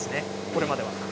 これまでは。